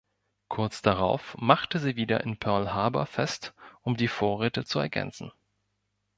Kurz darauf machte sie wieder in Pearl Harbor fest, um die Vorräte zu ergänzen.